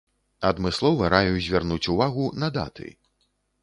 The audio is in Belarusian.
Адмыслова раю звярнуць увагу на даты.